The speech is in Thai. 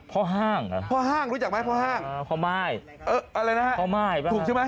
ห้างพ่อห้างรู้จักไหมพ่อห้างพ่อม่ายอะไรนะฮะพ่อม่ายถูกใช่ไหม